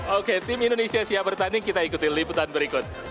oke tim indonesia siap bertanding kita ikuti liputan berikut